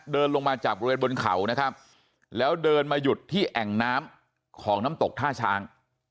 เดินลงมาจากบริเวณบนเขานะครับแล้วเดินมาหยุดที่แอ่งน้ำของน้ำตกท่าช้าง